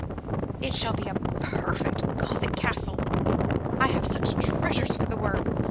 It shall be a perfect Gothic castle. I have such treasures for the work.